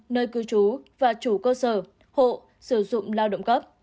nơi cư trú và chủ cơ sở hộ sử dụng lao động cấp